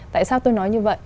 tại sao tôi nói như vậy